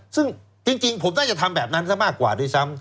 ซึ่งจริงผมน่าจะทำแบบนั้นซะมากกว่าด้วยซ้ำ